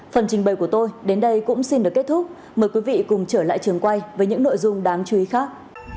phần trình bày của tôi đến đây cũng xin được kết thúc mời quý vị cùng trở lại trường quay với những nội dung đáng chú ý khác